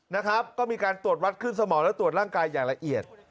นะครับก็มีการตรวจวัดขึ้นสมองและตรวจร่างกายอย่างละเอียด